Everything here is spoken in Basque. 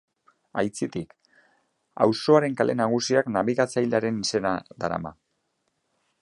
Aitzitik, auzoaren kale nagusiak nabigatzailearen izena darama.